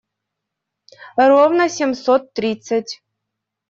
Ровно семьсот тридцать.